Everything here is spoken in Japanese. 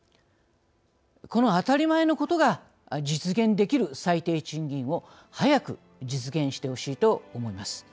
この当たり前のことが実現できる最低賃金を早く実現してほしいと思います。